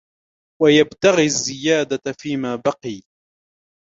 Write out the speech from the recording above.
وَيَبْتَغِي الزِّيَادَةَ فِيمَا بَقِيَ